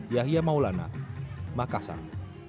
yahya maulana makassar